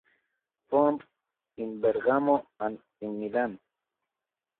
Formed in Bergamo and in Milan.